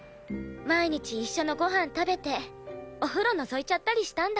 毎日一緒のご飯食べてお風呂のぞいちゃったりしたんだ？